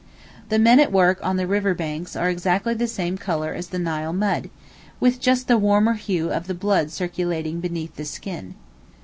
The men at work on the river banks are exactly the same colour as the Nile mud, with just the warmer hue of the blood circulating beneath the skin.